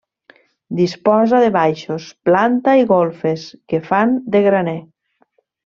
Disposa de baixos, planta i golfes, que fan de graner.